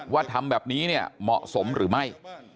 ว่าทำแบบนี้เหมาะสมหรือไม่